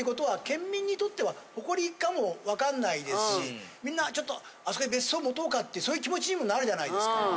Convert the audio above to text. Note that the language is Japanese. かもわかんないですしみんなちょっとあそこへ別荘持とうかってそういう気持ちにもなるじゃないですか。